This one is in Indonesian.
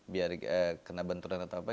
biar kena benturan atau apa